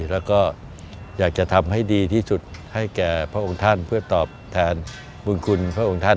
แล้วก็อยากจะทำให้ดีที่สุดให้แก่พระองค์ท่านเพื่อตอบแทนบุญคุณพระองค์ท่าน